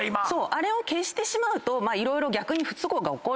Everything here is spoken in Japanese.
あれを消してしまうと色々逆に不都合が起こるので。